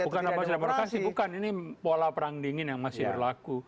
bukan apa demokrasi bukan ini pola perang dingin yang masih berlaku